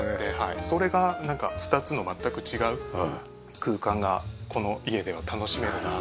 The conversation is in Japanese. それがなんか２つの全く違う空間がこの家では楽しめるなと。